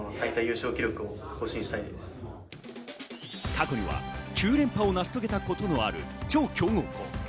過去には９連覇を成し遂げたこともある超強豪校。